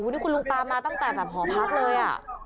นี่คุณลุงตามมาตั้งแต่แบบหอพักเลย